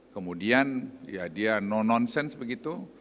kemudian ya dia no nonsense begitu